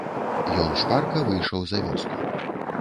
Ён шпарка выйшаў за вёску.